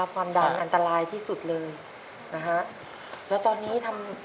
ความดันอันตรายที่สุดเลยนะฮะแล้วตอนนี้ทำ